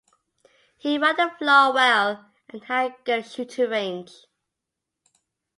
He ran the floor well and had good shooting range.